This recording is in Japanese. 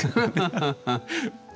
ハハハハハ。